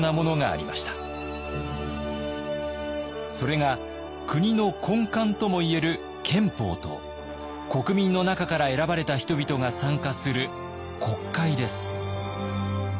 それが国の根幹とも言える「憲法」と国民の中から選ばれた人々が参加する「国会」です。